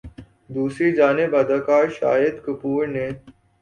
دوسری جانب اداکار شاہد کپور نے